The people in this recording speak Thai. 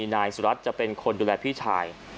นายสุรัตน์จะเป็นคนดูแลพี่ชาย